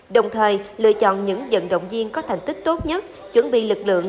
đồng thời lựa chọn những dận động viên có thành tích tốt nhất chuẩn bị lực lượng